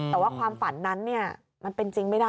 แต่ว่าความฝันนั้นมันเป็นจริงไม่ได้